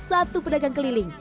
satu pedagang keliling